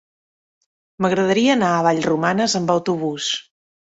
M'agradaria anar a Vallromanes amb autobús.